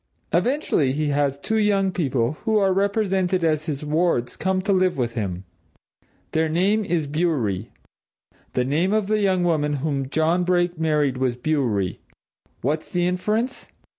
Eventually he has two young people, who are represented as his wards, come to live with him. Their name is Bewery. The name of the young woman whom John Brake married was Bewery. What's the inference?